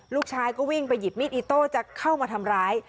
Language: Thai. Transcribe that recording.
ลูกชายก็วิ่งไปหยิบมีดอิโต้จะเข้ามาทำร้าย